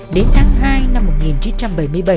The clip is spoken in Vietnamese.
đến tháng hai năm một nghìn chín trăm bảy mươi bảy